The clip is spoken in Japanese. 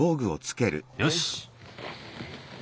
よし。